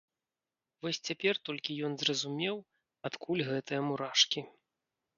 Вось цяпер толькі ён зразумеў, адкуль гэтыя мурашкі.